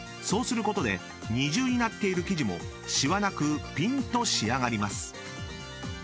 ［そうすることで二重になっている生地もシワなくピンと仕上がります］